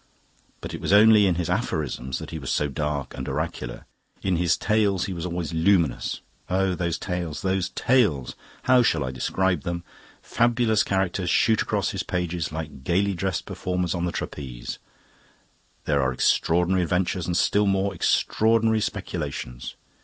But it was only in his aphorisms that he was so dark and oracular. In his Tales he was always luminous. Oh, those Tales those Tales! How shall I describe them? Fabulous characters shoot across his pages like gaily dressed performers on the trapeze. There are extraordinary adventures and still more extraordinary speculations.